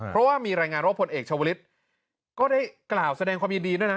เพราะว่ามีรายงานว่าผลเอกชาวลิศก็ได้กล่าวแสดงความยินดีด้วยนะ